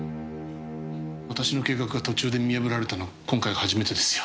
私の計画が途中で見破られたのは今回が初めてですよ。